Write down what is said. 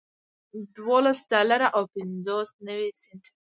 دولس ډالره او پنځه نوي سنټه